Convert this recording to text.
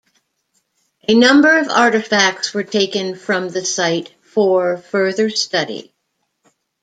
A number of artifacts were taken from the site for further study.